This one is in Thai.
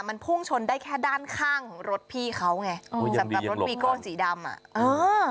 มันพุ่งชนได้แค่ด้านข้างของรถพี่เขาไงอุ้ยสำหรับรถวีโก้สีดำอ่ะเออ